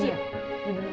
dia lebih diam